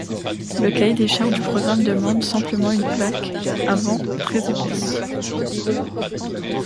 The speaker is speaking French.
Le cahier des charges du programme demande simplement une plaque avant très épaisse.